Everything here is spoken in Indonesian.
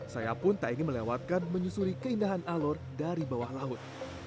saya pun tak ingin melewatkan menyusuri keindahan alur dari bawah laut